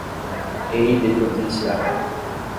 Hei de providenciar